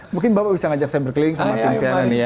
mungkin bapak bisa ngajak saya berkeliling sama tim cnn